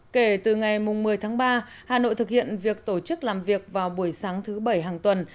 kể từ ngày một mươi tháng ba hà nội thực hiện việc tổ chức làm việc vào buổi sáng thứ bảy hàng tuần